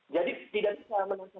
jadi tidak bisa menangkap